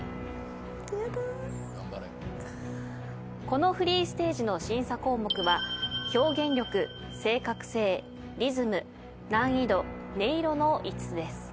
このフリーステージの審査項目は表現力正確性リズム難易度音色の５つです。